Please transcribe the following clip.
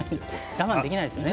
我慢できないですよね。